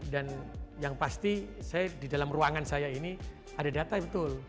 dan yang pasti saya di dalam ruangan saya ini ada data yang betul